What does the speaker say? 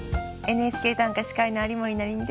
「ＮＨＫ短歌」司会の有森也実です。